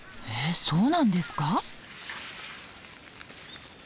えっそうなんですか？